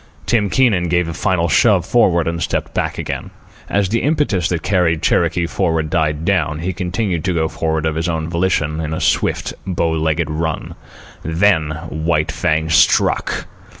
Tim Keenan gave a final shove forward and stepped back again. As the impetus that carried Cherokee forward died down, he continued to go forward of his own volition, in a swift, bow legged run. Then White Fang struck.